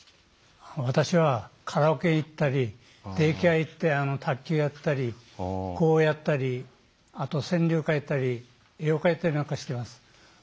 私はカラオケ行ったりデイケア行って卓球行ったり碁をやったり、川柳を書いたり絵を描いたりなんかしてます。